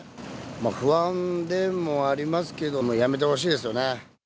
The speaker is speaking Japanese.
まあ、不安でもありますけど、やめてほしいですよね。